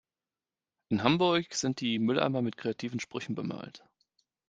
In Hamburg sind die Mülleimer mit kreativen Sprüchen bemalt.